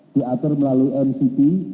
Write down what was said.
diatur melalui mct